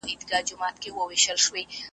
د بډای په ختم کي ملا نه ستړی کېږي